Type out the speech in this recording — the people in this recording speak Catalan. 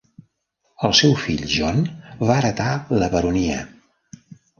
El seu fill John va heretar la baronia.